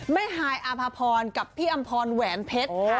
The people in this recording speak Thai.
ไม่หายอภพรกับพี่อัมพรแหวนเพชร